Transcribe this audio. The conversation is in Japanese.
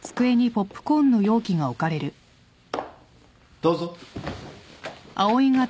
・どうぞ。